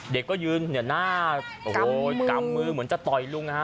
เด็กก็ยืนหน้ากำมือเหมือนจะต่อยลุงนะฮะ